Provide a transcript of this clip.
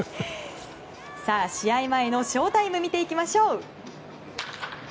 試合前のショータイム見ていきましょう。